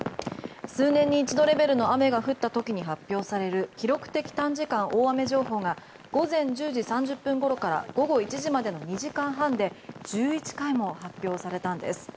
数年に一度レベルの雨が降った時に発表される記録的短時間大雨情報が午前１０時３０分ごろから午後１時までの２時間半で１１回も発表されたんです。